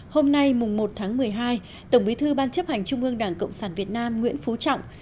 hôm nay mùng một tháng một mươi hai tổng bí thư ban chấp hành trung ương đảng cộng sản việt nam nguyễn phú trọng